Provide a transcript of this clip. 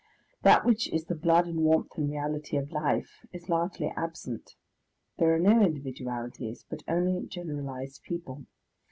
That which is the blood and warmth and reality of life is largely absent; there are no individualities, but only generalised people.